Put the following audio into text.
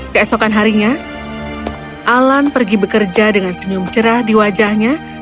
keesokan harinya alan pergi bekerja dengan senyum cerah di wajahnya